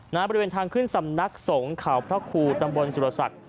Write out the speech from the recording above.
บริเวณทางขึ้นสำนักสงฆ์เขาพระครูตำบลสุรศักดิ์